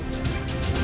terima kasih bang frits